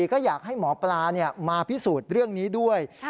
ก็อยากให้หมอปลามาพิสูจน์เรื่องนี้ด้วย